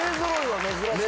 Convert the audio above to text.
珍しい。